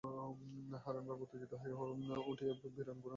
হারানবাবু উত্তেজিত হইয়া উঠিয়া বিনয় ও গোরাকে নিন্দা করিতে আরম্ভ করিলেন।